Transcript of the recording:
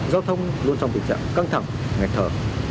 luôn trong tình trạng căng thẳng ngạch thở